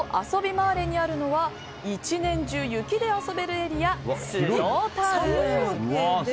マーレにあるのは一年中、雪で遊べるエリアスノータウン。